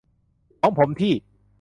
ของผมที่